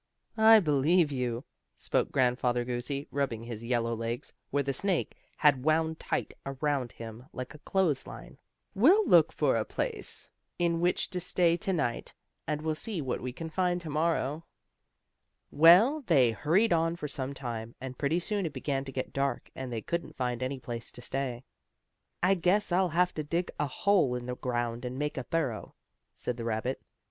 "I believe you," spoke Grandfather Goosey, rubbing his yellow legs, where the snake had wound tight around him like a clothesline. "We'll look for a place in which to stay to night, and we'll see what we can find to morrow." Well, they hurried on for some time, and pretty soon it began to get dark, and they couldn't find any place to stay. "I guess I'll have to dig a hole in the ground, and make a burrow," said the rabbit.